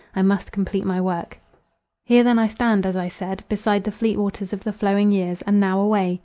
I must complete my work. Here then I stand, as I said, beside the fleet waters of the flowing years, and now away!